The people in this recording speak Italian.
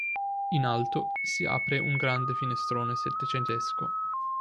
In alto si apre un grande finestrone settecentesco.